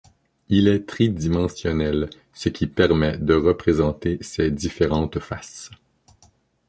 Il est tri-dimensionnel, ce qui permet de représenter ses différentes faces.